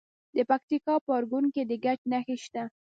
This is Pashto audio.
د پکتیکا په ارګون کې د ګچ نښې شته.